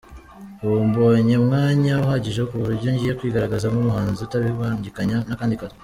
Ubu mbonye umwanya uhagije ku buryo ngiye kwigaragaza nk’umuhanzi utabibangikanya n’akandi kazi.